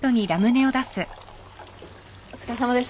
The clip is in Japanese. お疲れさまでした。